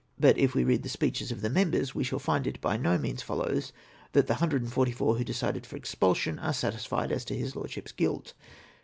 But if we read the speeches of the Members, we shall find it by no means follows that the 144 who decided for expulsion, are satisfied as to his Lordship's guilt.